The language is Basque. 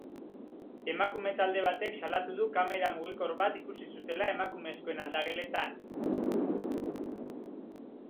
Emakume talde batek salatu du kamera mugikor bat ikusi zutela emakumezkoen aldageletan.